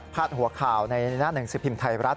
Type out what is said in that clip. ผ้าหัวข่าวในหน้าหนังสือพิมพ์ไทยรัฐ